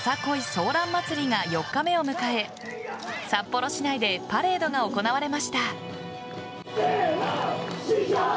ソーラン祭りが４日目を迎え札幌市内でパレードが行われました。